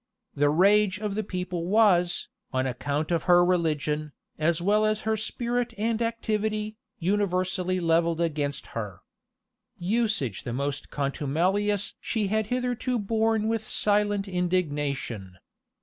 The rage of the people was, on account of her religion, as well as her spirit and activity, universally levelled against her. Usage the most contumelious she had hitherto borne with silent indignation.